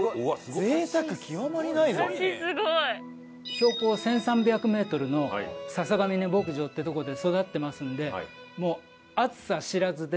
標高１３００メートルの笹ヶ峰牧場ってとこで育ってますのでもう暑さ知らずで。